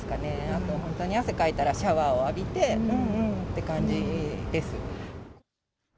あとほかに、汗かいたらシャワーを浴びてって感じです。